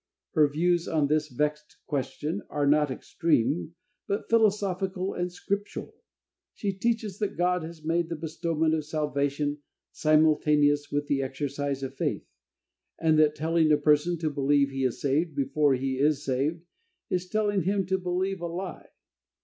Her views on this vexed question are not extreme but philosophical and scriptural. She teaches that God has made the bestowment of salvation simultaneous with the exercise of faith, and that "telling a person to believe he is saved, before he is saved, is telling him to believe a lie."